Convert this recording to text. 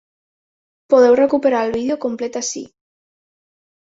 Podeu recuperar el vídeo complet ací.